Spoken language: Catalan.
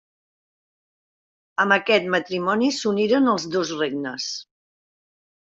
Amb aquest matrimoni s'uniren els dos regnes.